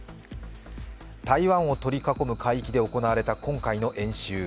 台湾を取り囲む海域で行われた今回の演習。